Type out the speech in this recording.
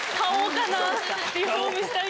リフォームしたい。